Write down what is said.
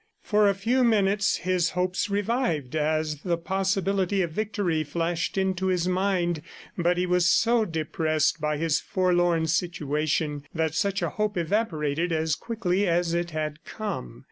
For a few minutes his hopes revived as the possibility of victory flashed into his mind, but he was so depressed by his forlorn situation that such a hope evaporated as quickly as it had come.